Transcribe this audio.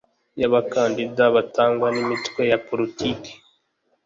y abakandida batangwa n imitwe ya politiki